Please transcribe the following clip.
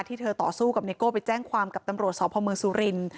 ที่เธอต่อสู้กับไนโก้ไปแจ้งความกับตำรวจสพเมืองสุรินทร์